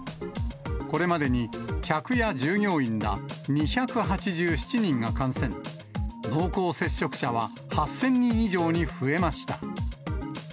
これまでに客や従業員ら２８７人が感染、濃厚接触者は８０００人以上に増えました。